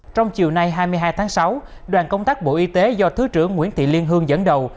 trong chiều nay hai mươi hai tháng sáu đoàn công tác bộ y tế do thứ trưởng nguyễn thị liên hương dẫn đầu